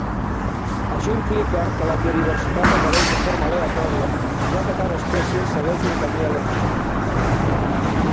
Això implica que la biodiversitat apareix de forma aleatòria, ja què cada espècie segueix un camí aleatori.